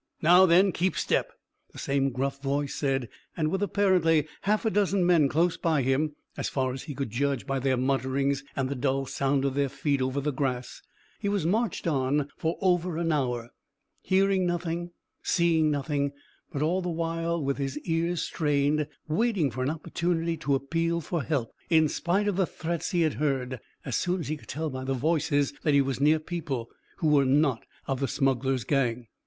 "Now, then, keep step," the same gruff voice said; and, with apparently half a dozen men close by him, as far as he could judge by their mutterings and the dull sound of their feet over the grass, he was marched on for over an hour hearing nothing, seeing nothing, but all the while with his ears strained, waiting for an opportunity to appeal for help, in spite of the threats he had heard, as soon as he could tell by the voices that he was near people who were not of the smugglers' gang.